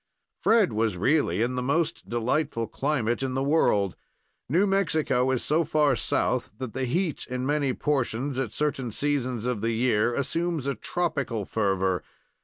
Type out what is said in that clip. Fred was really in the most delightful climate in the world. New Mexico is so far south that the heat in many portions, at certain seasons of the year, assumes a tropical fervor.